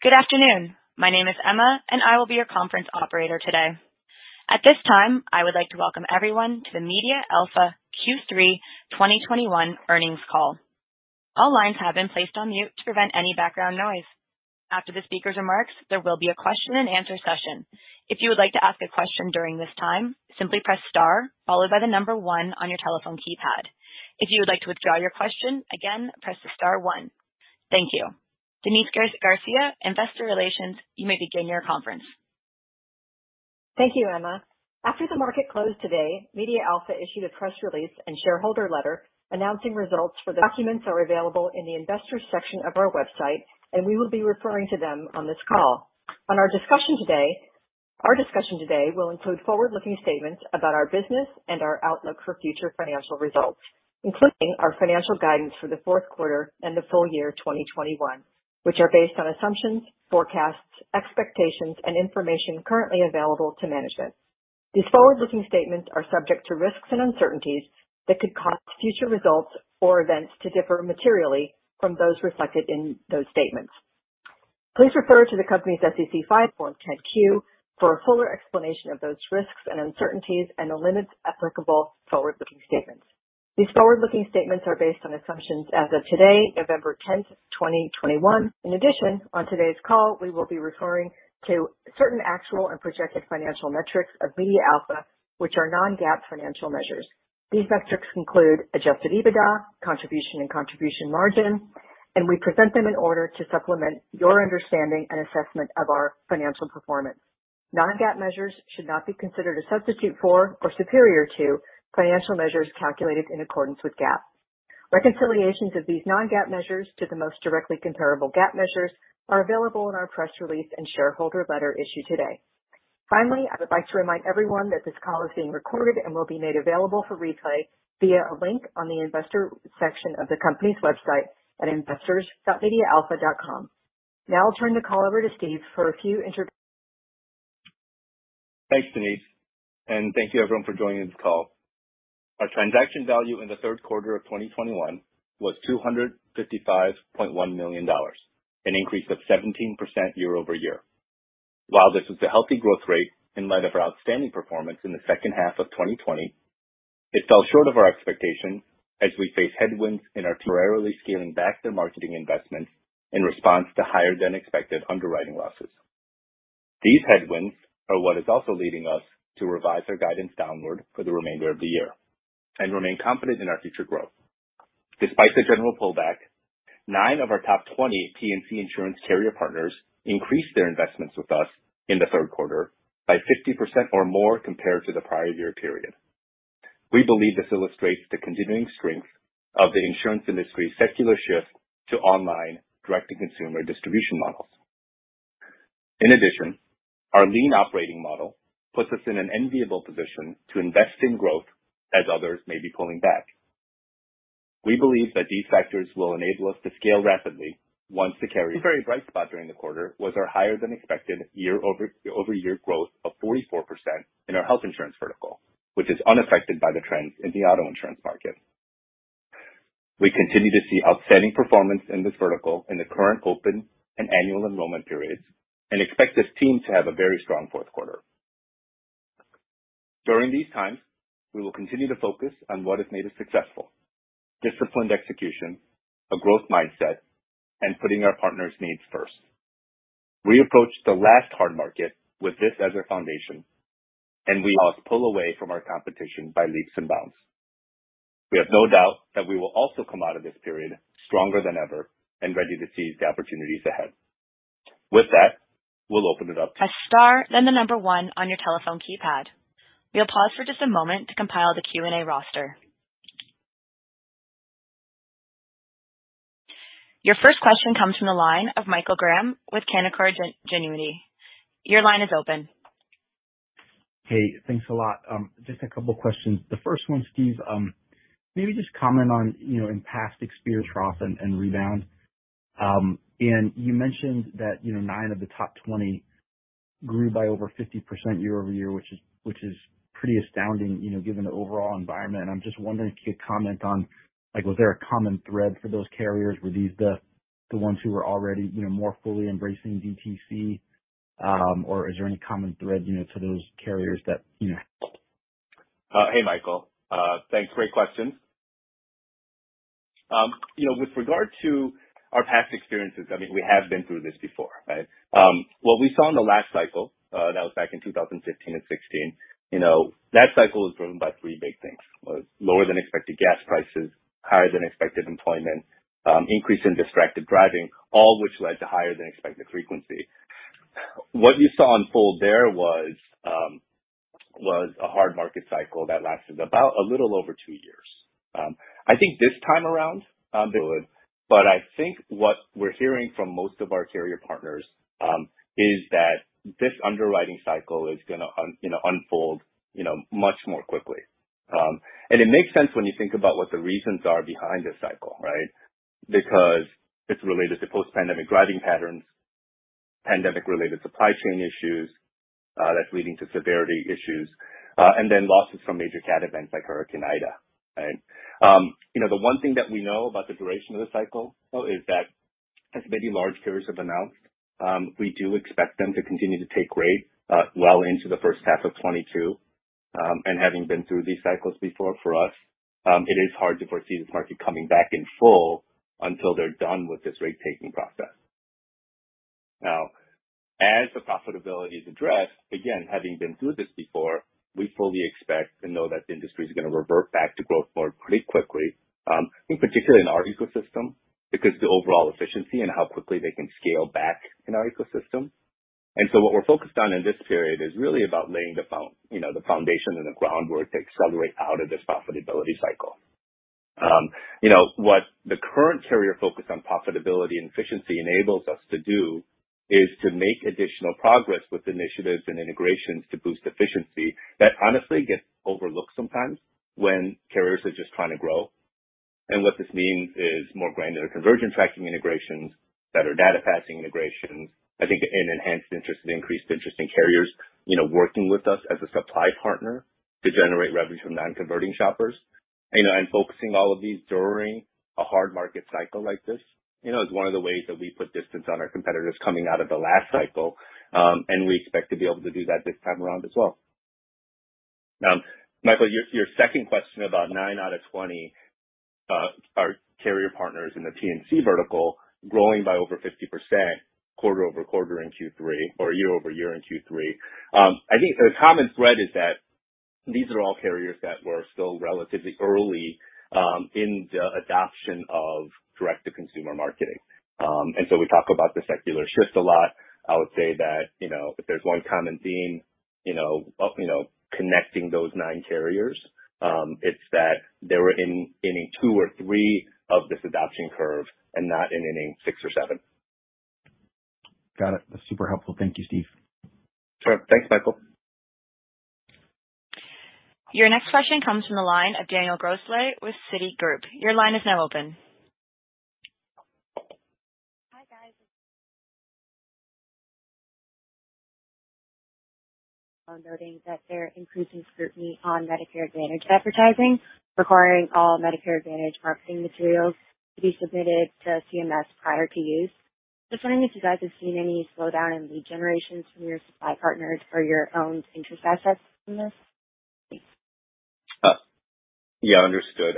Good afternoon. My name is Emma, and I will be your conference operator today. At this time, I would like to welcome everyone to the MediaAlpha Q3 2021 earnings call. All lines have been placed on mute to prevent any background noise. After the speaker's remarks, there will be a question-and-answer session. If you would like to ask a question during this time, simply press star followed by the number one on your telephone keypad. If you would like to withdraw your question again, press the star one. Thank you. Denise Garcia, Investor Relations, you may begin your conference. Thank you, Emma. After the market closed today, MediaAlpha issued a press release and shareholder letter announcing results for the documents that are available in the investors' section of our website, and we will be referring to them on this call. Our discussion today will include forward-looking statements about our business and our outlook for future financial results, including our financial guidance for the fourth quarter and the full year 2021, which are based on assumptions, forecasts, expectations, and information currently available to management. These forward-looking statements are subject to risks and uncertainties that could cause future results or events to differ materially from those reflected in those statements. Please refer to the company's SEC filing, Form 10-Q, for a fuller explanation of those risks and uncertainties and the limits applicable to forward-looking statements. These forward-looking statements are based on assumptions as of today, November 10th, 2021. In addition, on today's call, we will be referring to certain actual and projected financial metrics of MediaAlpha, which are non-GAAP financial measures. These metrics include adjusted EBITDA, contribution, and contribution margin, and we present them in order to supplement your understanding and assessment of our financial performance. Non-GAAP measures should not be considered a substitute for or superior to financial measures calculated in accordance with GAAP. Reconciliations of these non-GAAP measures to the most directly comparable GAAP measures are available in our press release and shareholder letter issued today. Finally, I would like to remind everyone that this call is being recorded and will be made available for replay via a link on the investor section of the company's website at investors.medialpha.com. Now I'll turn the call over to Steve for a few. Thanks, Denise. Thank you, everyone, for joining this call. Our transaction value in the third quarter of 2021 was $255.1 million, an increase of 17% year-over-year. While this was a healthy growth rate in light of our outstanding performance in the second half of 2020, it fell short of our expectations as we face headwinds in our temporarily scaling back the marketing investments in response to higher-than-expected underwriting losses. These headwinds are what is also leading us to revise our guidance downward for the remainder of the year and remain confident in our future growth. Despite the general pullback, nine of our top 20 P&C insurance carrier partners increased their investments with us in the third quarter by 50% or more compared to the prior year period. We believe this illustrates the continuing strength of the insurance industry's secular shift to online direct-to-consumer distribution models. In addition, our lean operating model puts us in an enviable position to invest in growth as others may be pulling back. We believe that these factors will enable us to scale rapidly once the carrier's very bright spot during the quarter was our higher-than-expected year-over-year growth of 44% in our health insurance vertical, which is unaffected by the trends in the auto insurance market. We continue to see outstanding performance in this vertical in the current open and annual enrollment periods and expect this team to have a very strong fourth quarter. During these times, we will continue to focus on what has made us successful: disciplined execution, a growth mindset, and putting our partners' needs first. We approached the last hard market with this as our foundation, and we must pull away from our competition by leaps and bounds. We have no doubt that we will also come out of this period stronger than ever and ready to seize the opportunities ahead. With that, we'll open it up to. A star then the number one on your telephone keypad. We'll pause for just a moment to compile the Q&A roster. Your first question comes from the line of Michael Graham with Canaccord Genuity. Your line is open. Hey, thanks a lot. Just a couple of questions. The first one, Steve, maybe just comment on past experience with trough and rebound. You mentioned that nine of the top 20 grew by over 50% year-over-year, which is pretty astounding given the overall environment. I'm just wondering if you could comment on, was there a common thread for those carriers? Were these the ones who were already more fully embracing DTC, or is there any common thread to those carriers that? Hey, Michael. Thanks. Great questions. With regard to our past experiences, I mean, we have been through this before, right? What we saw in the last cycle, that was back in 2015 and 2016, that cycle was driven by three big things: lower-than-expected gas prices, higher-than-expected employment, increase in distracted driving, all which led to higher-than-expected frequency. What you saw unfold there was a hard market cycle that lasted about a little over two years. I think this time around, I think what we're hearing from most of our carrier partners is that this underwriting cycle is going to unfold much more quickly. It makes sense when you think about what the reasons are behind this cycle, right? Because it's related to post-pandemic driving patterns, pandemic-related supply chain issues that's leading to severity issues, and then losses from major cat events like Hurricane Ida, right? The one thing that we know about the duration of the cycle is that as many large carriers have announced, we do expect them to continue to take rate well into the first half of 2022. Having been through these cycles before for us, it is hard to foresee this market coming back in full until they are done with this rate-taking process. Now, as the profitability is addressed, again, having been through this before, we fully expect and know that the industry is going to revert back to growth more pretty quickly, in particular in our ecosystem because of the overall efficiency and how quickly they can scale back in our ecosystem. What we are focused on in this period is really about laying the foundation and the groundwork to accelerate out of this profitability cycle. What the current carrier focus on profitability and efficiency enables us to do is to make additional progress with initiatives and integrations to boost efficiency that honestly get overlooked sometimes when carriers are just trying to grow. What this means is more granular conversion tracking integrations, better data passing integrations, I think, and enhanced interest and increased interest in carriers working with us as a supply partner to generate revenue from non-converting shoppers. Focusing all of these during a hard market cycle like this is one of the ways that we put distance on our competitors coming out of the last cycle, and we expect to be able to do that this time around as well. Now, Michael, your second question about 9 out of 20 of our carrier partners in the P&C vertical growing by over 50% quarter-over-quarter in Q3 or year-over-year in Q3. I think the common thread is that these are all carriers that were still relatively early in the adoption of direct-to-consumer marketing. We talk about the secular shift a lot. I would say that if there's one common theme, connecting those nine carriers, it's that they were in inning two or three of this adoption curve and not in inning six or seven. Got it. That's super helpful. Thank you, Steve. Sure. Thanks, Michael. Your next question comes from the line of Daniel Grosslight with Citigroup. Your line is now open. Hi, guys. Noting that there are increasing scrutiny on Medicare Advantage advertising requiring all Medicare Advantage marketing materials to be submitted to CMS prior to use. Just wondering if you guys have seen any slowdown in lead generations from your supply partners or your own interest assets from this? Yeah, understood.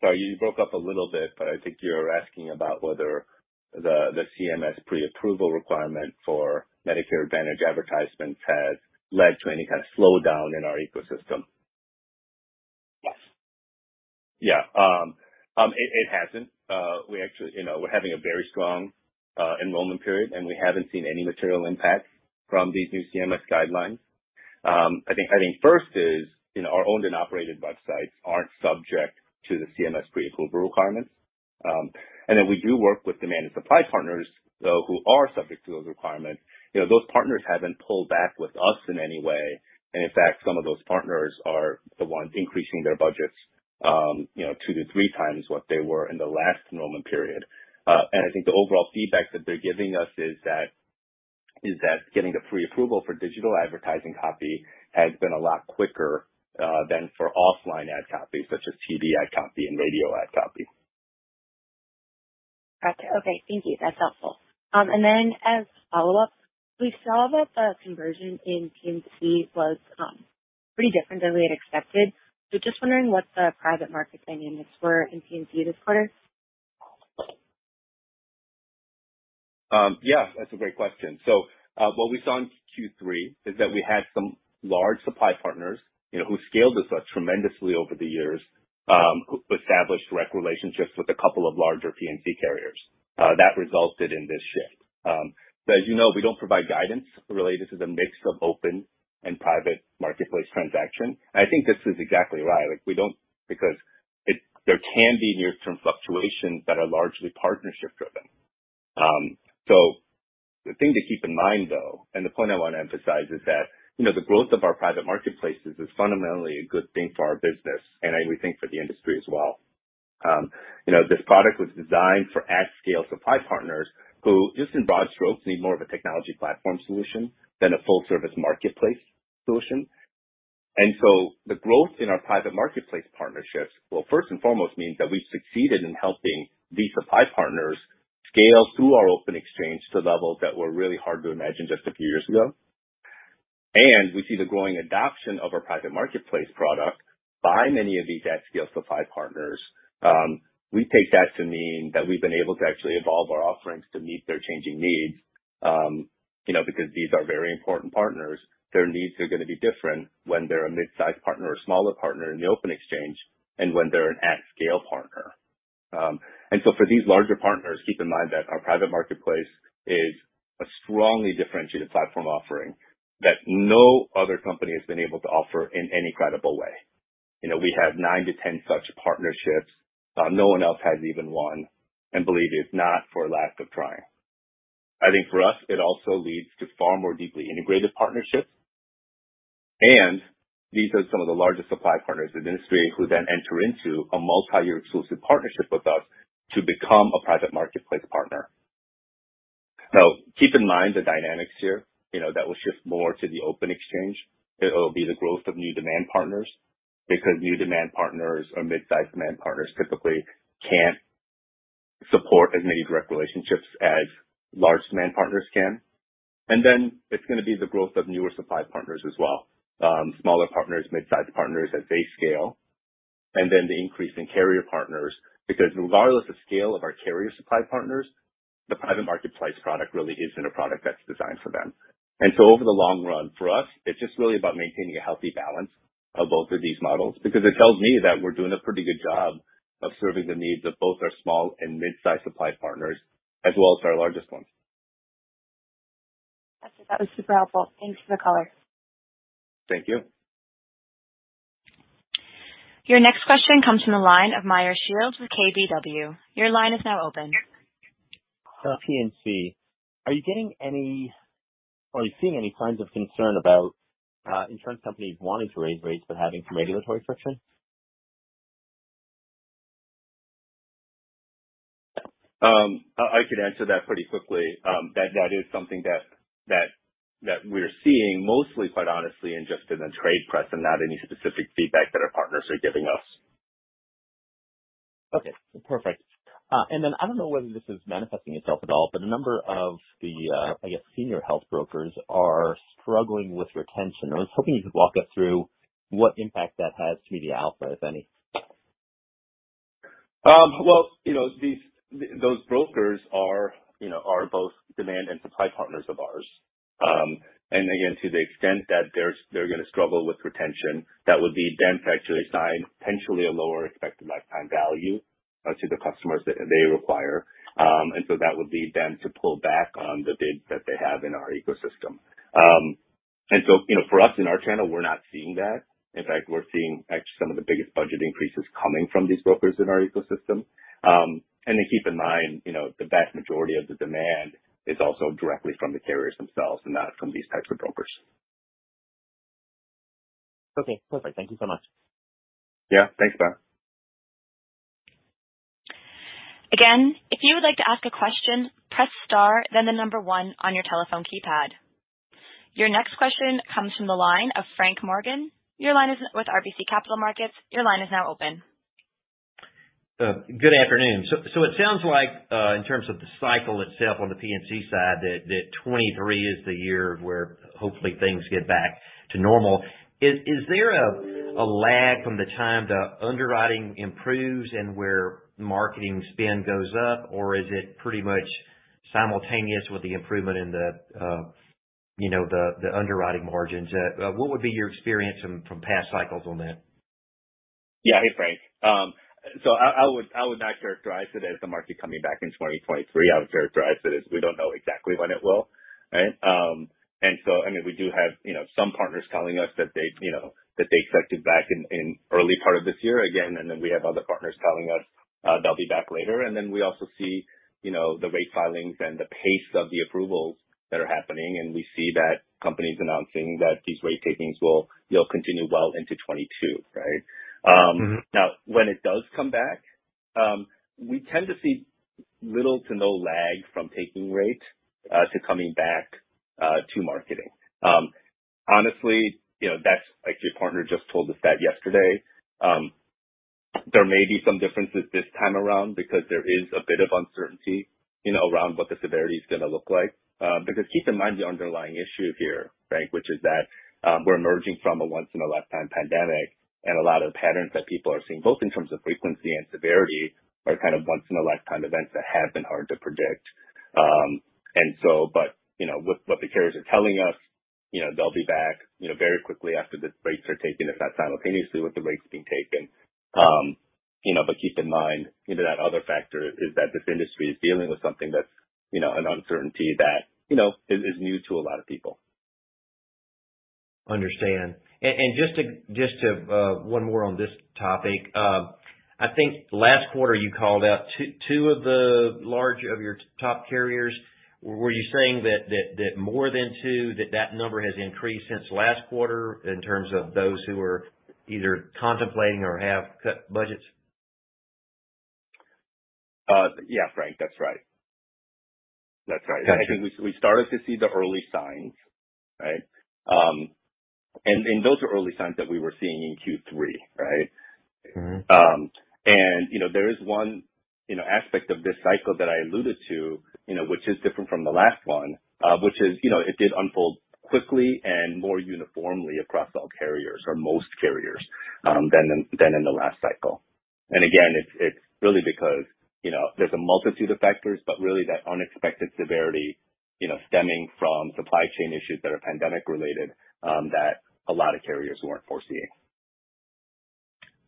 Sorry, you broke up a little bit, but I think you're asking about whether the CMS pre-approval requirement for Medicare Advantage advertisements has led to any kind of slowdown in our ecosystem. Yes. Yeah. It hasn't. We're having a very strong enrollment period, and we haven't seen any material impact from these new CMS guidelines. I think first is our owned and operated websites aren't subject to the CMS pre-approval requirements. We do work with demand and supply partners, though, who are subject to those requirements. Those partners haven't pulled back with us in any way. In fact, some of those partners are the ones increasing their budgets two to three times what they were in the last enrollment period. I think the overall feedback that they're giving us is that getting the pre-approval for digital advertising copy has been a lot quicker than for offline ad copy, such as TV ad copy and radio ad copy. Gotcha. Okay. Thank you. That is helpful. As a follow-up, we saw that the conversion in P&C was pretty different than we had expected. Just wondering what the private market dynamics were in P&C this quarter. Yeah, that's a great question. What we saw in Q3 is that we had some large supply partners who scaled this tremendously over the years, established direct relationships with a couple of larger P&C carriers. That resulted in this shift. As you know, we don't provide guidance related to the mix of open and private marketplace transaction. I think this is exactly right. There can be near-term fluctuations that are largely partnership-driven. The thing to keep in mind, though, and the point I want to emphasize is that the growth of our private marketplaces is fundamentally a good thing for our business, and I would think for the industry as well. This product was designed for at-scale supply partners who just in broad strokes need more of a technology platform solution than a full-service marketplace solution. The growth in our private marketplace partnerships, first and foremost, means that we've succeeded in helping these supply partners scale through our open exchange to levels that were really hard to imagine just a few years ago. We see the growing adoption of our private marketplace product by many of these at-scale supply partners. We take that to mean that we've been able to actually evolve our offerings to meet their changing needs because these are very important partners. Their needs are going to be different when they're a mid-size partner or smaller partner in the open exchange and when they're an at-scale partner. For these larger partners, keep in mind that our private marketplace is a strongly differentiated platform offering that no other company has been able to offer in any credible way. We have 9-10 such partnerships. No one else has even one, and believe it's not for lack of trying. I think for us, it also leads to far more deeply integrated partnerships. These are some of the largest supply partners in the industry who then enter into a multi-year exclusive partnership with us to become a private marketplace partner. Now, keep in mind the dynamics here that will shift more to the open exchange. It will be the growth of new demand partners because new demand partners or mid-size demand partners typically can't support as many direct relationships as large demand partners can. It is going to be the growth of newer supply partners as well, smaller partners, mid-size partners as they scale, and then the increase in carrier partners because regardless of the scale of our carrier supply partners, the private marketplace product really isn't a product that's designed for them. Over the long run for us, it's just really about maintaining a healthy balance of both of these models because it tells me that we're doing a pretty good job of serving the needs of both our small and mid-size supply partners as well as our largest ones. That was super helpful. Thanks for the color. Thank you. Your next question comes from the line of Meyer Shields with KBW. Your line is now open. P&C, are you getting any or are you seeing any signs of concern about insurance companies wanting to raise rates but having some regulatory friction? I could answer that pretty quickly. That is something that we're seeing mostly, quite honestly, and just in the trade press and not any specific feedback that our partners are giving us. Okay. Perfect. I don't know whether this is manifesting itself at all, but a number of the, I guess, senior health brokers are struggling with retention. I was hoping you could walk us through what impact that has to MediaAlpha, if any. Those brokers are both demand and supply partners of ours. Again, to the extent that they're going to struggle with retention, that would lead them to actually assign potentially a lower expected lifetime value to the customers that they require. That would lead them to pull back on the bids that they have in our ecosystem. For us in our channel, we're not seeing that. In fact, we're seeing actually some of the biggest budget increases coming from these brokers in our ecosystem. Keep in mind, the vast majority of the demand is also directly from the carriers themselves and not from these types of brokers. Okay. Perfect. Thank you so much. Yeah. Thanks, Meyer. Again, if you would like to ask a question, press star, then the number one on your telephone keypad. Your next question comes from the line of Frank Morgan. Your line is with RBC Capital Markets. Your line is now open. Good afternoon. It sounds like in terms of the cycle itself on the P&C side, that 2023 is the year where hopefully things get back to normal. Is there a lag from the time the underwriting improves and where marketing spend goes up, or is it pretty much simultaneous with the improvement in the underwriting margins? What would be your experience from past cycles on that? Yeah. Hey, Frank. I would not characterize it as the market coming back in 2023. I would characterize it as we do not know exactly when it will, right? I mean, we do have some partners telling us that they expect to be back in the early part of this year again. We have other partners telling us they will be back later. We also see the rate filings and the pace of the approvals that are happening. We see that companies announcing that these rate takings will continue well into 2022, right? When it does come back, we tend to see little to no lag from taking rate to coming back to marketing. Honestly, that is actually a partner just told us that yesterday. There may be some differences this time around because there is a bit of uncertainty around what the severity is going to look like. Keep in mind the underlying issue here, Frank, which is that we're emerging from a once-in-a-lifetime pandemic, and a lot of the patterns that people are seeing, both in terms of frequency and severity, are kind of once-in-a-lifetime events that have been hard to predict. What the carriers are telling us, they'll be back very quickly after the rates are taken, if not simultaneously with the rates being taken. Keep in mind that other factor is that this industry is dealing with something that's an uncertainty that is new to a lot of people. Understand. Just one more on this topic. I think last quarter, you called out two of the large of your top carriers. Were you saying that more than two, that that number has increased since last quarter in terms of those who are either contemplating or have cut budgets? Yeah, Frank. That's right. That's right. I think we started to see the early signs, right? Those are early signs that we were seeing in Q3, right? There is one aspect of this cycle that I alluded to, which is different from the last one, which is it did unfold quickly and more uniformly across all carriers or most carriers than in the last cycle. It is really because there's a multitude of factors, but really that unexpected severity stemming from supply chain issues that are pandemic-related that a lot of carriers weren't foreseeing.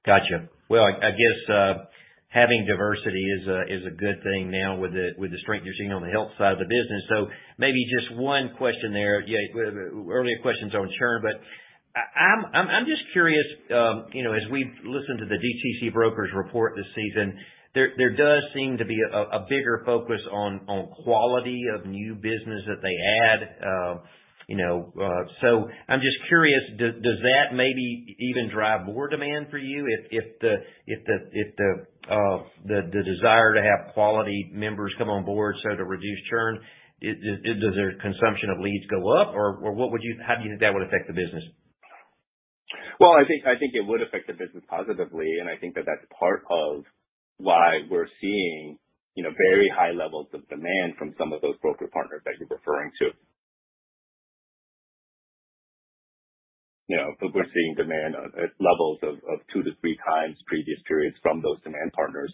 Gotcha. I guess having diversity is a good thing now with the strength you're seeing on the health side of the business. Maybe just one question there. Earlier questions are in churn, but I'm just curious, as we've listened to the DTC Brokers report this season, there does seem to be a bigger focus on quality of new business that they add. I'm just curious, does that maybe even drive more demand for you if the desire to have quality members come on board to reduce churn? Does their consumption of leads go up, or how do you think that would affect the business? I think it would affect the business positively. I think that that's part of why we're seeing very high levels of demand from some of those broker partners that you're referring to. We're seeing demand at levels of two to three times previous periods from those demand partners.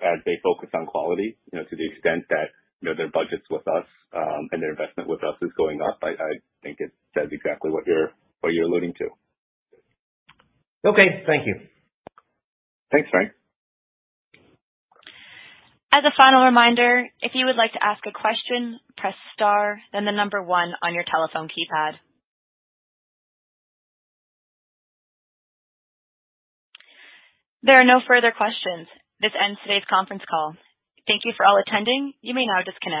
As they focus on quality, to the extent that their budgets with us and their investment with us is going up, I think it says exactly what you're alluding to. Okay. Thank you. Thanks, Frank. As a final reminder, if you would like to ask a question, press star, then the number one on your telephone keypad. There are no further questions. This ends today's conference call. Thank you for all attending. You may now disconnect.